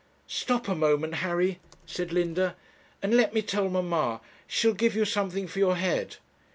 'Stop a moment, Harry,' said Linda, 'and let me tell mamma. She'll give you something for your head.'